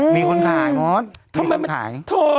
มีคนขายโม๊ต